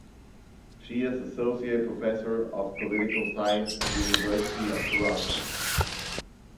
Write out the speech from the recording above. She is Associate Professor of Political Science at the University of Toronto.